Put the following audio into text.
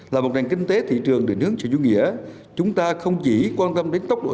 là một nền kinh tế thị trường định hướng sự dung nghĩa chúng ta không chỉ quan tâm đến tốc độ